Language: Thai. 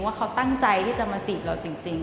ว่าเขาตั้งใจที่จะมาจีบเราจริง